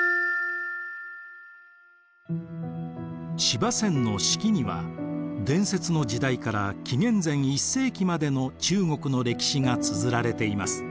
司馬遷の「史記」には伝説の時代から紀元前１世紀までの中国の歴史がつづられています。